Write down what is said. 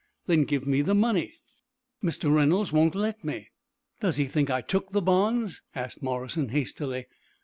"Then give me the money." "Mr. Reynolds won't let me." "Does he think I took the bonds?" asked Morrison, hastily.